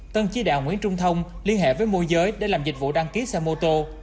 tân chỉ đạo nguyễn trung thông liên hệ với môi giới để làm dịch vụ đăng ký xe mô tô